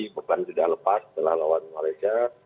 beban sudah lepas setelah lawan malaysia